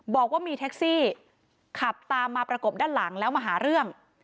บอกว่ามีแท็กซี่ขับตามมาประกบด้านหลังแล้วมาหาเรื่อง